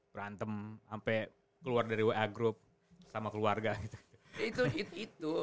berantem sampai keluar dari wa group sama keluarga itu